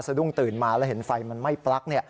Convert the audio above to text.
ดุ้งตื่นมาแล้วเห็นไฟมันไหม้ปลั๊ก